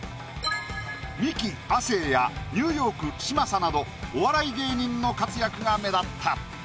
ミキ亜生やニューヨーク嶋佐などお笑い芸人の活躍が目立った。